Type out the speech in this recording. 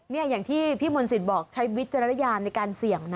เนี่ยอย่างที่พี่มนศิษย์บอกใช้วิจารณญาณในการเสี่ยงนะ